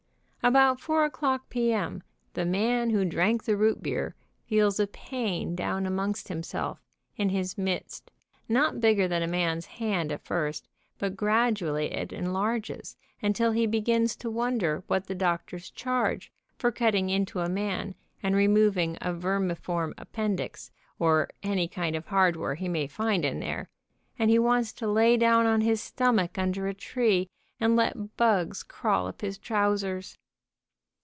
About 4 o'clock p. m. the man who drank the root beer feels a pain down amongst himself, in his midst, not bigger than a man's hand THE TERRIBLE ROOT BEER JAG 213 at first, but gradually it enlarges until he begins to wonder what the doctors charge for cutting into a man and removing a vermiform appendix, or any kind of hardware he may find in there, and he wants to lay down on his stomach under a tree, and let bugs crawl up his trousers.